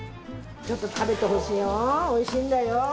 ちょっと食べてほしいよおいしいんだよ。